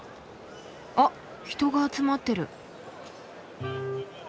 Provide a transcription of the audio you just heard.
あっ人が集まってる。